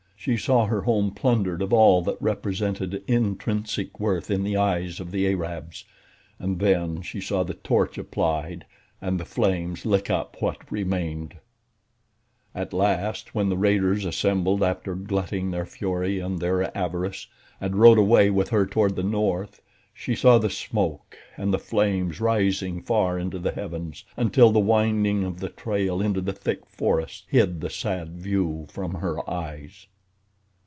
She saw her home plundered of all that represented intrinsic worth in the eyes of the Arabs, and then she saw the torch applied, and the flames lick up what remained. And at last, when the raiders assembled after glutting their fury and their avarice, and rode away with her toward the north, she saw the smoke and the flames rising far into the heavens until the winding of the trail into the thick forests hid the sad view from her eyes.